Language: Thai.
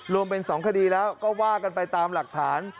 รวมเป็น๒คดีแล้วก็ว่ากันไปตามหลักฐาน